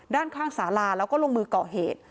ด้านข้างสาราแล้วก็ลงมือก่อเหตุ